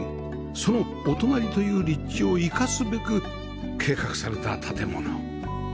そのお隣という立地を生かすべく計画された建物